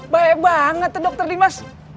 bayang banget dokter dimas